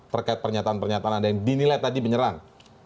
terkait pernyataan pernyataan anda yang dinilai tadi menyerang